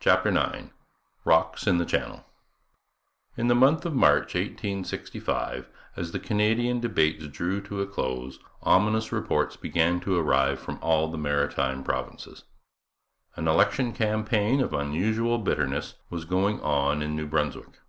CHAPTER IX ROCKS IN THE CHANNEL In the month of March 1865, as the Canadian debates drew to a close, ominous reports began to arrive from all the Maritime Provinces. An election campaign of unusual bitterness was going on in New Brunswick.